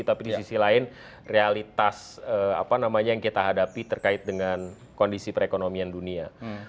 tapi di sisi lain realitas apa namanya yang kita hadapi terkait dengan kondisi perekonomian dunia